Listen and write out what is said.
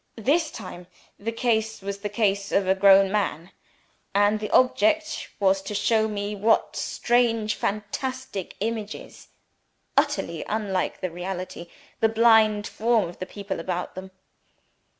This time the case was the case of a grown man and the object was to show me what strange fantastic images (utterly unlike the reality) the blind form of the people about them.